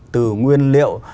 từ nguyên liệu